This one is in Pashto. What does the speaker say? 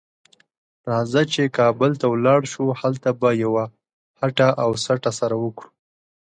راځه چې کابل ته ولاړ شو؛ هلته به یوه هټه او سټه سره وکړو.